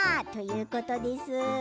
ということです。